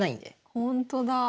あほんとだ。